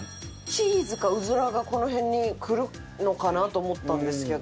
チーズかうずらがこの辺にくるのかなと思ったんですけど。